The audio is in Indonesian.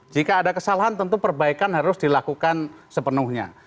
jika ada kesalahan tentu perbaikan harus dilakukan sepenuhnya